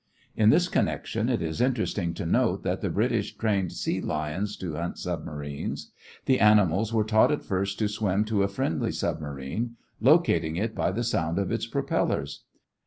In this connection it is interesting to note that the British trained sea lions to hunt submarines. The animals were taught at first to swim to a friendly submarine, locating it by the sound of its propellers.